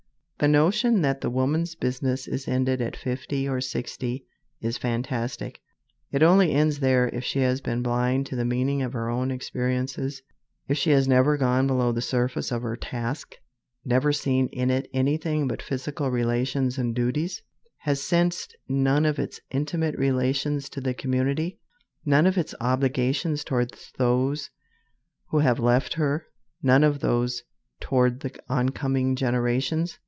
The notion that the woman's business is ended at fifty or sixty is fantastic. It only ends there if she has been blind to the meaning of her own experiences; if she has never gone below the surface of her task never seen in it anything but physical relations and duties; has sensed none of its intimate relations to the community, none of its obligations toward those who have left her, none of those toward the oncoming generations.